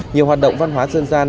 nhiều hoạt động văn hóa dân gian